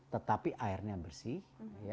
tetapi airnya bersih